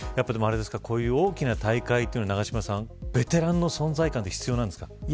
こういう大きな大会というのは永島さんベテランの存在感は必要なんですか。